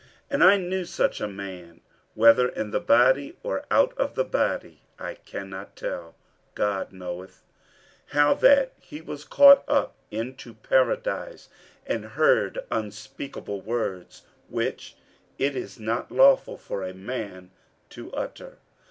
47:012:003 And I knew such a man, (whether in the body, or out of the body, I cannot tell: God knoweth;) 47:012:004 How that he was caught up into paradise, and heard unspeakable words, which it is not lawful for a man to utter.